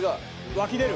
湧き出る。